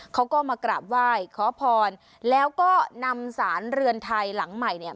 เขาก็มากราบไหว้ขอพรแล้วก็นำสารเรือนไทยหลังใหม่เนี่ย